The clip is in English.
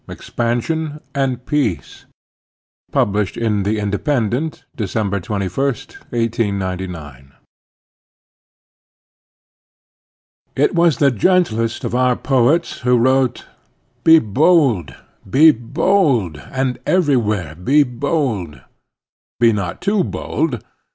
EXPANSION AND PEACE Published in thb ''Independent/' December 21, 1899 93 1 CHAPTER II. EXPANSION AND PEACE. T was the gentlest of our poets who wrote: "Be bolde! Be bolde! and everywhere, Be bolde"; Be not too bold!